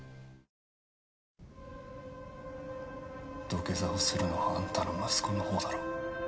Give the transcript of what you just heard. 土下座をするのはあんたの息子のほうだろ。